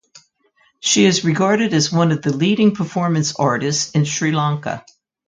She is regarded as one of the leading performance artists in Sri Lanka.